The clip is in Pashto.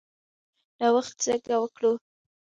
نوښت څنګه وکړو؟